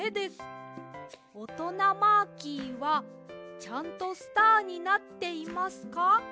おとなマーキーはちゃんとスターになっていますか？